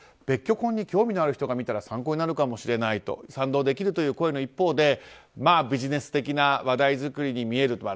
別居婚に興味がある人が見たら参考になるかもしれないという賛同できるという声もある一方でビジネス的な話題作りに見える。